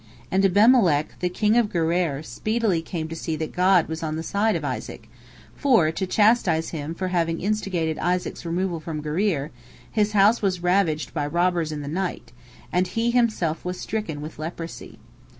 And Abimelech, the king of Gerar, speedily came to see that God was on the side of Isaac, for, to chastise him for having instigated Isaac's removal from Gerar, his house was ravaged by robbers in the night, and he himself was stricken with leprosy.